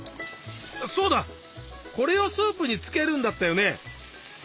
そうだこれをスープにつけるんだったよね？